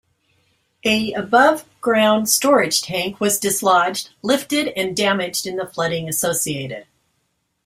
A above-ground storage tank was dislodged, lifted and damaged in flooding associated.